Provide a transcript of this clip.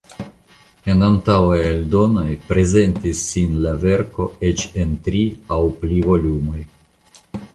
En antaŭaj eldonoj prezentis sin la verko eĉ en tri aŭ pli volumoj.